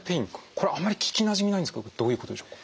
これあまり聞きなじみないんですけどどういうことでしょうか？